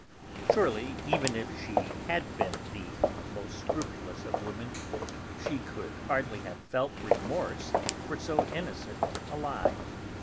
Surely, even had she been the most scrupulous of women, she could hardly have felt remorse for so innocent a lie.